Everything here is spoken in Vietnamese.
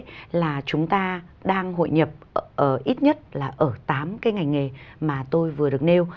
thì là chúng ta đang hội nhập ít nhất là ở tám cái ngành nghề mà tôi vừa được nêu